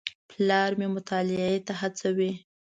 پلار مې مطالعې ته هڅوي.